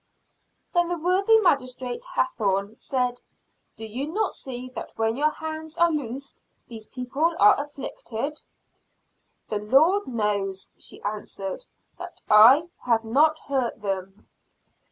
Then the worthy magistrate Hathorne said, "Do you not see that when your hands are loosed these people are afflicted?" "The Lord knows," she answered, "that I have not hurt them."